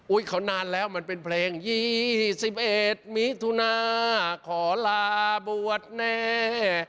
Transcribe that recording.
เขานานแล้วมันเป็นเพลง๒๑มิถุนาขอลาบวชแน่